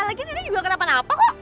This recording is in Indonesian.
laginya tadi juga kena penapa kok